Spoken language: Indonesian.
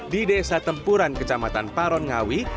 di desa tempuran kecamatan parongawi